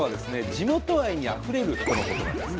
地元愛にあふれる人のことなんですね。